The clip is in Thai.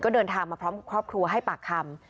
เดินทางมาพร้อมกับครอบครัวให้ปากคำ